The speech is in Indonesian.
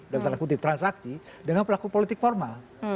dalam tanda kutip transaksi dengan pelaku politik formal